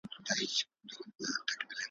ماته تر لحده خپل نصیب قفس لیکلی دی ,